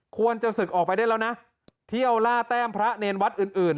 ควรจะศึกออกไปได้แล้วนะเที่ยวล่าแต้มพระเนรวัดอื่น